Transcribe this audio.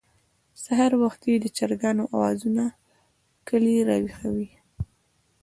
سهار وختي د چرګانو اوازونه کلى راويښوي.